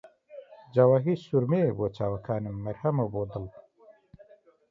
جەواهیرسورمەیە بۆ چاوەکانم، مەرهەمە بۆ دڵ